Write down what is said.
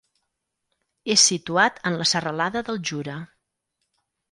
És situat en la serralada del Jura.